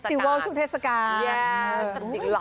เฟสติวัลช่วงเทศกาล